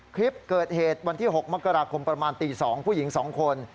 คลิปเกิดเหตุวันที่๖มกราคมประมาณตี๒ผู้หญิง๒คน